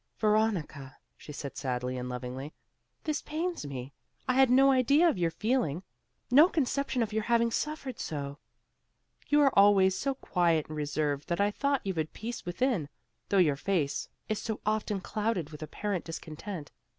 "Veronica," she said, sadly and lovingly, "this pains me. I had no idea of your feeling; no conception of your having suffered so. You are always so quiet and reserved that I thought you had peace within, though your face is so often clouded with apparent discontent.